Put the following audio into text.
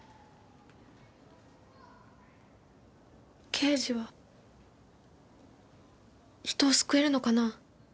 刑事は人を救えるのかな？